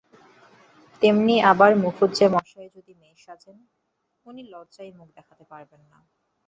তেমনি আবার মুখুজ্যেমশায় যদি মেয়ে সাজেন, উনি লজ্জায় মুখ দেখাতে পারবেন না।